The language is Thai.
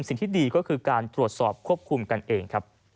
สิ่งที่ดีก็คือการตรวจสอบควบคุมกันเองครับ